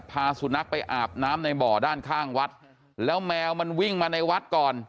พาสุนัขไปอาบน้ำในบ่อด้านข้างวัดแล้วแมวมันวิ่งมาในวัดก่อน